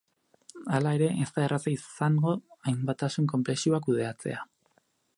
Hala ere, ez da erraza izango hain batasun konplexua kudeatzea.